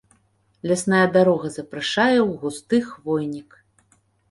Лясная дарога запрашае ў густы хвойнік.